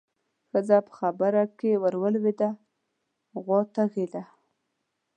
ښځه په خبره کې ورولوېده: غوا تږې ده.